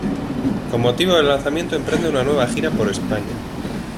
Con motivo del lanzamiento, emprende una nueva gira por España.